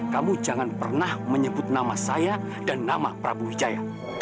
kamu jangan pernah menyebut nama saya dan nama prabu wijaya